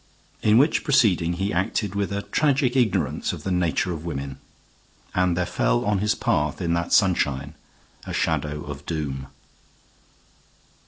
In which proceeding he acted with a tragic ignorance of the nature of women; and there fell on his path in that sunshine a shadow of doom.